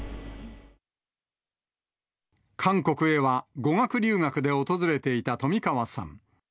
韓国へは語学留学で訪れていた冨川さん。